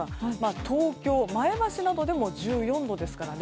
東京、前橋などでも１４度ですからね。